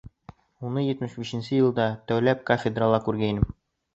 Уны етмеш бишенсе йылда тәүләп кафедрала күргәйнем.